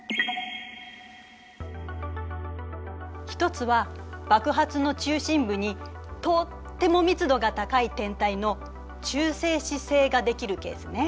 １つは爆発の中心部にとっても密度が高い天体の中性子星ができるケースね。